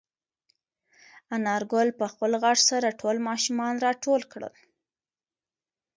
انارګل په خپل غږ سره ټول ماشومان راټول کړل.